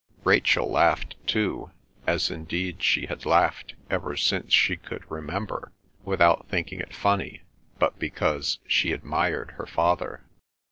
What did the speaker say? Rachel laughed, too, as indeed she had laughed ever since she could remember, without thinking it funny, but because she admired her father.